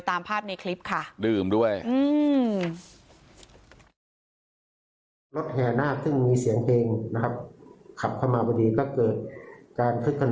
ตามภาพในคลิปค่า